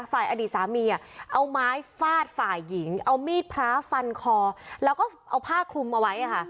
อดีตสามีเอาไม้ฟาดฝ่ายหญิงเอามีดพระฟันคอแล้วก็เอาผ้าคลุมเอาไว้ค่ะ